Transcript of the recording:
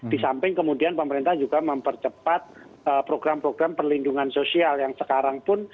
di samping kemudian pemerintah juga mempercepat program program perlindungan sosial yang sekarang pun